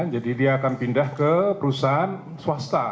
jadi dia akan pindah ke perusahaan swasta